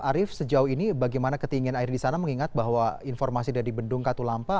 arief sejauh ini bagaimana ketinggian air di sana mengingat bahwa informasi dari bendung katulampa